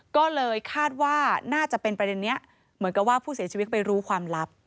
ก็เลยคาดว่าน่าจะเป็นประเด็นนี้เหมือนกับว่าผู้เสียชีวิตไปรู้ความลับ